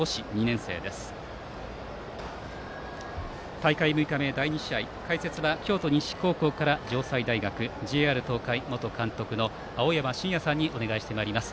大会６日目、第２試合解説は京都西高校から城西大学、ＪＲ東海元監督の青山眞也さんにお願いします。